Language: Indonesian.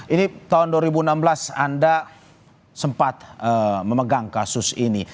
ini tahun dua ribu enam belas anda sempat memegang kasus ini